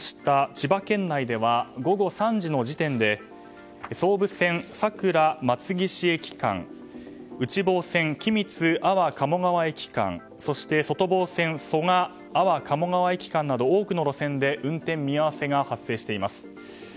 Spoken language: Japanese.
千葉県内では午後３時の時点で総武線、佐倉松岸駅間内房線、君津安房鴨川駅間そして外房線蘇我安房鴨川駅間多くの路線で運転見合わせが発生しています。